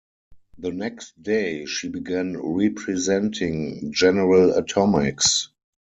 The next day, she began representing General Atomics.